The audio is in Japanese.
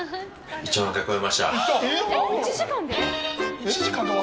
１万回超えました。